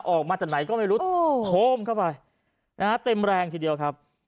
ออกมาจากไหนก็ไม่รู้โพมเข้าไปนะฮะเต็มแรงทีเดียวครับ